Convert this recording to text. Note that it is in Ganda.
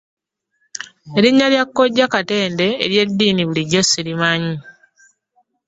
Erinnya lya kkojja Katende ery'eddiini bulijjo ssirimanyi.